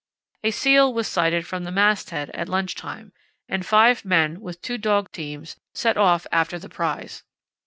A seal was sighted from the mast head at lunch time, and five men, with two dog teams, set off after the prize.